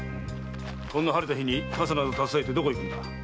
こんな晴れた日に傘など携えてどこへ行くんだ？